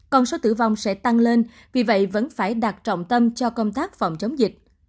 còn số tử vong sẽ tăng lên vì vậy vẫn phải đặt trọng tâm cho công tác phòng chống dịch